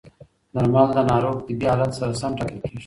درمل د ناروغ طبي حالت سره سم ټاکل کېږي.